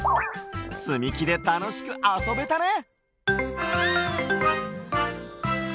つみきでたのしくあそべたね！